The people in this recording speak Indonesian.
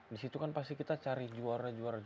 di situ kan pasti kita cari juara juara